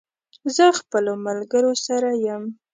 زه خپلو ملګرو سره یم